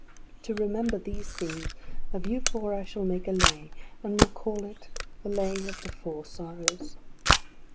To remember these things, of you four I shall make a Lay, and will call it the Lay of the Four Sorrows."